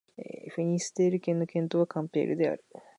フィニステール県の県都はカンペールである